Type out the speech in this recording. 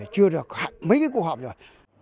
chưa được mấy cuộc họp rồi